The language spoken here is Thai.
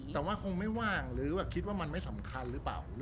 แต่ว่าคงไม่ว่างหรือแบบคิดว่ามันไม่สำคัญหรือเปล่า